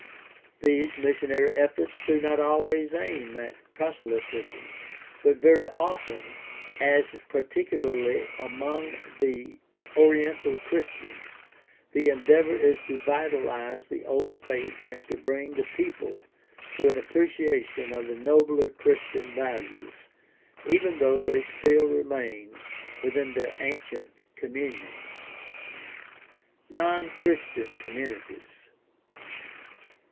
These missionary efforts do not always aim at proselytism, but very often, as particularly among the oriental Christians, the endeavor is to vitalize the old faith and to bring the people to an appreciation of the nobler Chris tian values, even though they still remain within their ancient communions. Non Christian countries.